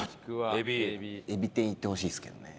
えび天いってほしいですけどね。